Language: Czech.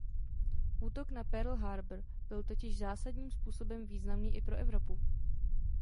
Útok na Pearl Harbor byl totiž zásadním způsobem významný i pro Evropu.